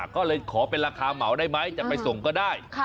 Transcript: ก็เลยขอเป็นราคาเหมาได้ไหมจะไปส่งก็ได้